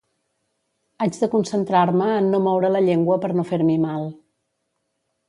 Haig de concentrar-me en no moure la llengua per no fer-m'hi mal